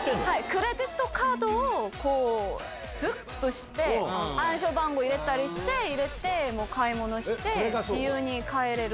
クレジットカードをこう、すっとして、暗証番号入れたりして、入れて、買い物して、自由に買えれる。